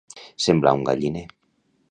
Semblar un galliner.